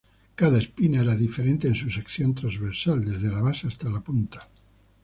Cada espina era diferente en su sección trasversal, desde la base hasta la punta.